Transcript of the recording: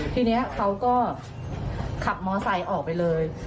ทีนี้เขาก็ขับมอไซค์ออกไปเลย